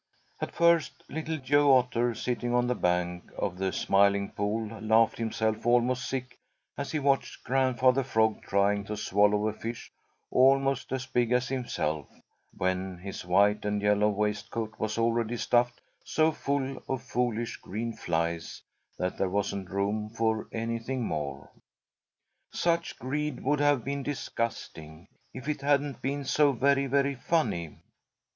At first Little Joe Otter, sitting on the bank of the Smiling Pool, laughed himself almost sick as he watched Grandfather Frog trying to swallow a fish almost as big as himself, when his white and yellow waistcoat was already stuffed so full of foolish green flies that there wasn't room for anything more. Such greed would have been disgusting, if it hadn't been so very, very funny.